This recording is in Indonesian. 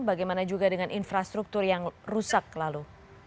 bagaimana juga dengan infrastruktur yang rusak lalu